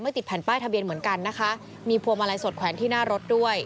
ติดแผ่นป้ายทะเบียนเหมือนกันนะคะมีพวงมาลัยสดแขวนที่หน้ารถด้วย